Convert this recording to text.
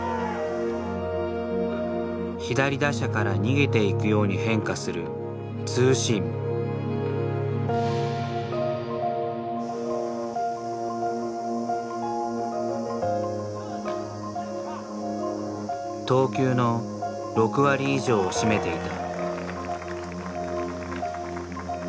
左打者から逃げていくように変化する投球の６割以上を占めていた。